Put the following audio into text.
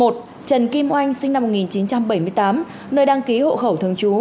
trần kim oanh sinh năm một nghìn chín trăm bảy mươi tám nơi đăng ký hộ khẩu thường trú